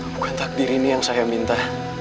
bukan takdir ini yang saya minta